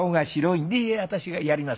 いえ私がやります。